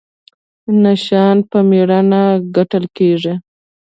نشان په میړانه ګټل کیږي